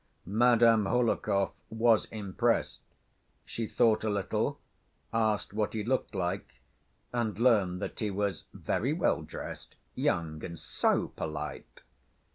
Madame Hohlakov was impressed. She thought a little, asked what he looked like, and learned that he was "very well dressed, young and so polite."